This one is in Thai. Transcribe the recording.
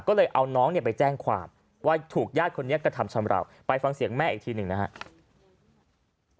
ก็เลยเอาน้องเนี่ยไปแจ้งความว่าถูกญาติคนนี้กระทำชำราวไปฟังเสียงแม่อีกทีหนึ่งนะครับ